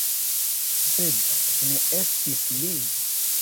Sed, ne estis li.